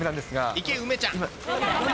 行け、梅ちゃん。